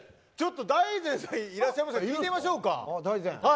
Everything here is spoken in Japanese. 大然さん、いらっしゃいますか聞いてみましょうか。